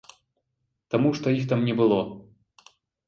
Таму што іх там не было!